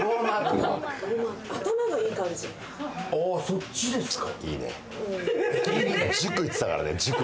そっちですか。